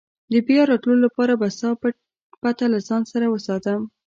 د بیا راتلو لپاره به ستا پته له ځان سره وساتم.